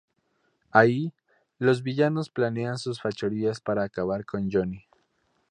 Ahí, los villanos planean sus fechorías para acabar con Johnny.